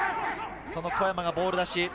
その小山がボール出し。